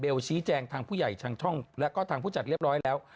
ชี้แจงทางผู้ใหญ่ทางช่องแล้วก็ทางผู้จัดเรียบร้อยแล้ว